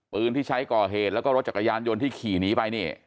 ปืนที่ใช้ก่อเหตุแล้วก็รถจักรยานยนต์ที่ขี่หนีไปนี่